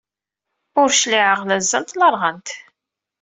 Ur cliɛeɣ la zzant la rɣant.